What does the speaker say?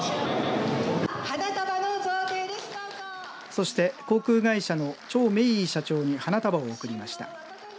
そして航空会社の張明イ社長に花束を贈りました。